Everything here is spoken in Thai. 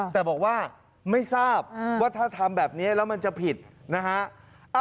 แต่บอกว่าไม่ทราบว่าถ้าทำแบบนี้แล้วมันจะผิดนะฮะ